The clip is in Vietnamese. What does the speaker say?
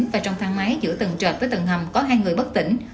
và trong thang máy giữa tầng trệt với tầng hầm có hai người bất tỉnh